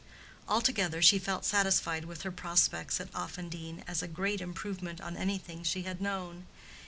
Altogether, she felt satisfied with her prospects at Offendene, as a great improvement on anything she had known.